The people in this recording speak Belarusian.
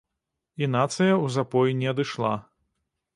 І нацыя ў запой не адышла.